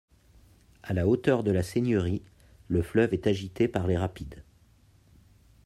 À la hauteur de la seigneurie, le fleuve est agité par les rapides.